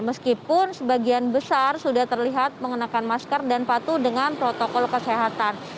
meskipun sebagian besar sudah terlihat mengenakan masker dan patuh dengan protokol kesehatan